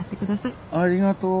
ありがとう。